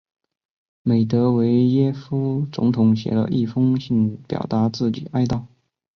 美的维耶夫总统写了一封信表达自己的哀悼。